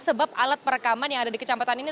sebab alat perekaman yang ada di kecamatan ini